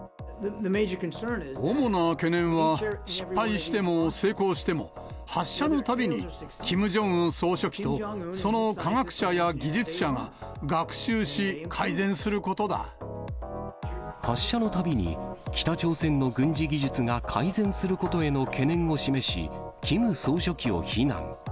主な懸念は、失敗しても成功しても、発射のたびに、キム・ジョンウン総書記と、その科学者や技術者が発射のたびに、北朝鮮の軍事技術が改善することへの懸念を示し、キム総書記を非難。